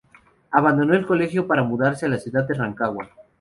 Abandonó el colegio para mudarse a la ciudad de Rancagua.